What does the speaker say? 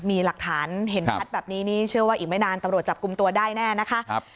มีหลักฐานเห็นชัดแบบนี้นี่เชื่อว่าอีกไม่นานตำรวจจับกลุ่มตัวได้แน่นะคะ